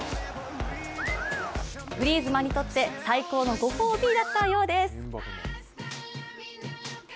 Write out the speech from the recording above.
グリーズマンにとって最高のご褒美だったようです。